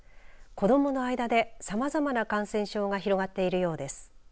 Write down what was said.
子どもの間でさまざまな感染症が広がっているようです。